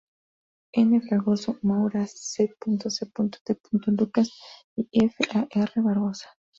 N. Fragoso-Moura, C. C. T. Lucas y F. A. R. Barbosa.